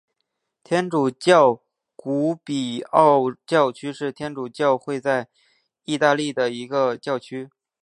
天主教古比奥教区是天主教会在义大利的一个教区。